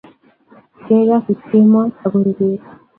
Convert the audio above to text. yaeii kasit kemoi akoruu bet